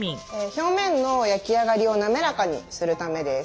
表面の焼き上がりを滑らかにするためです。